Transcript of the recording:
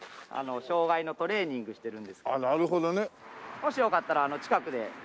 もしよかったら近くで。